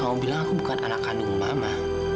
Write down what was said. kamu bilang aku bukan anak kandung umpama